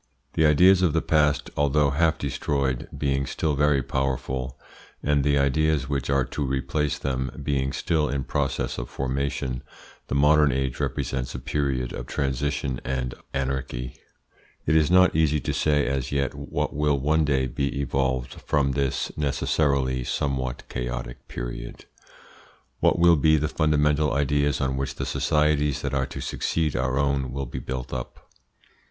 The ideas of the past, although half destroyed, being still very powerful, and the ideas which are to replace them being still in process of formation, the modern age represents a period of transition and anarchy. It is not easy to say as yet what will one day be evolved from this necessarily somewhat chaotic period. What will be the fundamental ideas on which the societies that are to succeed our own will be built up?